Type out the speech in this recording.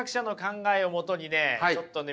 ちょっとね